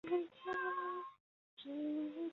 曾经在香港担任瑞士私人银行香港助理副总裁。